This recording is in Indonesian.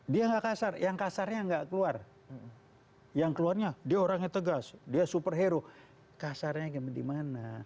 dia gak kasar yang kasarnya gak keluar yang keluarnya dia orangnya tegas dia superhero kasarnya gimana